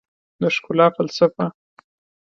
د ښکلا فلسفه